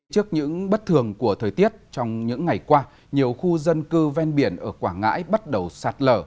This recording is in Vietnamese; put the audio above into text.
trước những bất thường của thời tiết trong những ngày qua nhiều khu dân cư ven biển ở quảng ngãi bắt đầu sạt lở